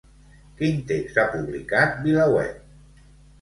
Quin text ha publicat VilaWeb?